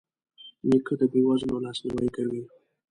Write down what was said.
نیکه د بې وزلو لاسنیوی کوي.